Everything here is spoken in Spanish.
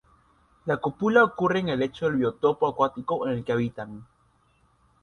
La cópula ocurre en el lecho del biotopo acuático en el que habitan.